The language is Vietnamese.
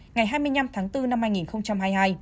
ngày hai mươi năm tháng bốn năm hai nghìn hai mươi hai